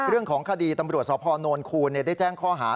เรื่องของคดีตำรวจสพนคูณได้แจ้งข้อหา